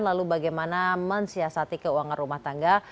lalu bagaimana mensiasati keuangan rumah tangga